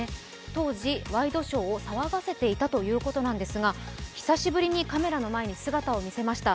当時、ワイドショーを騒がせていたということなんですが久しぶりにカメラの前に姿を見せました。